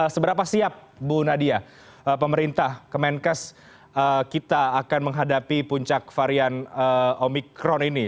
seberapa siap bu nadia pemerintah kemenkes kita akan menghadapi puncak varian omikron ini